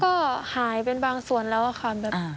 ก็หายเป็นบางส่วนแล้วค่ะ